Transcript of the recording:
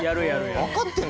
分かってる？